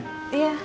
iya thank you pa